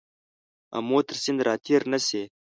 آمو تر سیند را تېر نه شې.